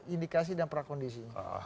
indikasi dan prakondisinya